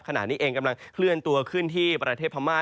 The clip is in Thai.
ขณะนี้เองกำลังเคลื่อนตัวขึ้นที่ประเทศพม่า